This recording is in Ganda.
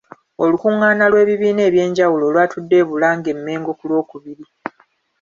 Olukungaana lw'ebibiina ebyenjawulo olwatudde e Bulange- Mmengo ku lwokubiri.